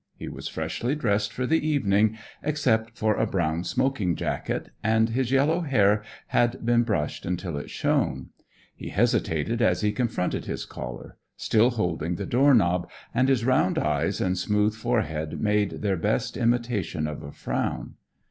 He was freshly dressed for the evening, except for a brown smoking jacket, and his yellow hair had been brushed until it shone. He hesitated as he confronted his caller, still holding the door knob, and his round eyes and smooth forehead made their best imitation of a frown.